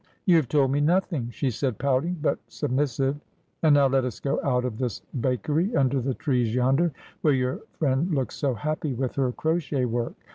' You have told me nothing,' she said, pouting, but sub missive. ' And now let us go out of this bakery, under the trees yonder, where your friend looks so happy with her crochet work.'